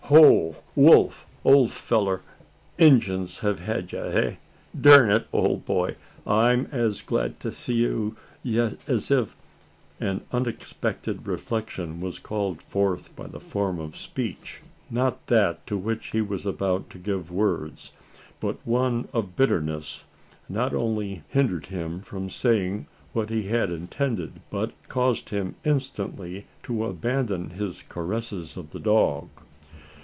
Ho, Wolf! ole fellur! Injuns have had ye, eh? Durn it, old boy! I'm as gled to see ye, as if " An unexpected reflection was called forth by the form of speech not that to which he was about to give words but one whose bitterness, not only hindered him from saying what he had intended, but caused him instantly to abandon his caresses of the dog.